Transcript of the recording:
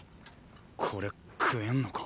これ食えんのか？